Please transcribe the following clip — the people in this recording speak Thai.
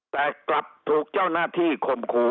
แต่กลับถูกเจ้าหน้าที่คมครู